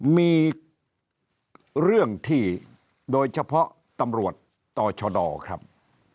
มีเรื่องที่โดยเฉพาะตำรวจต่อชดครับ